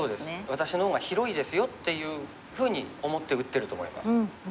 「私の方が広いですよ」っていうふうに思って打ってると思います。